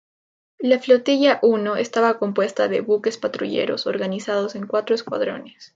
La Flotilla I estaba compuesta de buques patrulleros, organizados en cuatro escuadrones.